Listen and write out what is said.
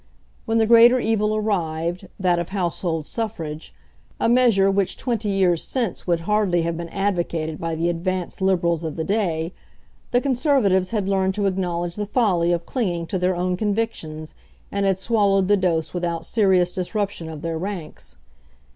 When the greater evil arrived, that of Household Suffrage, a measure which twenty years since would hardly have been advocated by the advanced Liberals of the day, the Conservatives had learned to acknowledge the folly of clinging to their own convictions, and had swallowed the dose without serious disruption of their ranks.